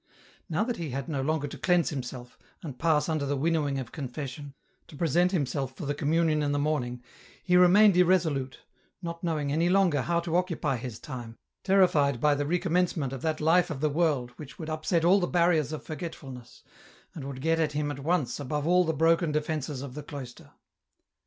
Now that he had no longer to cleanse himself, and pass under the winnowing of confession, to present himself for the Communion in the morning, he remained irresolute, not knowing any longer how to occupy his time, terrified by the recommencement of that life of the world which would upset all the barriers of forgetfulness, and would get at him at once above all the broken defences of the cloister.